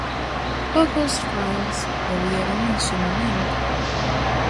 Pocos fans lo vieron en su momento.